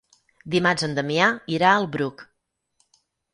Dimarts en Damià irà al Bruc.